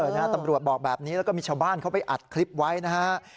นะฮะตำรวจบอกแบบนี้แล้วก็มีชาวบ้านเขาไปอัดคลิปไว้นะฮะ